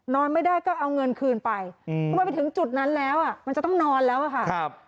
นอนไม่ได้ก็เอาเงินคืนไปถึงจุดนั้นแล้วมันจะต้องนอนแล้วค่ะ